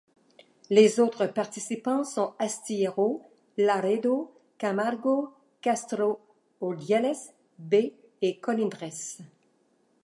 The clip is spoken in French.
Les autres participants sont Astillero, Laredo, Camargo, Castro Urdiales B et Colindres.